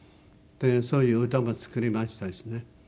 そういう歌も作りましたしね。